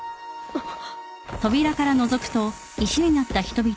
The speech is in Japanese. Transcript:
あっ。